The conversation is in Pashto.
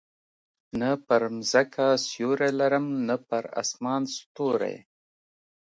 نه پر مځکه سیوری لرم، نه پر اسمان ستوری.